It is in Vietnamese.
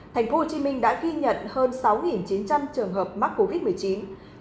tp hcm đã ghi nhận hơn sáu chín trăm linh trường hợp mắc covid một mươi chín